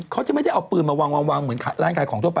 เขาจะไม่ได้เอาปืนมาวางเหมือนร้านขายของทั่วไป